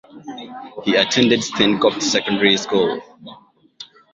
He attended Steinkopf Secondary School.